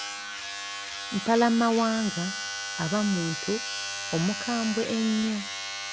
Mpalamawanga aba muntu omukambwe ennyo.